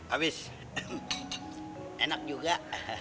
habis enak juga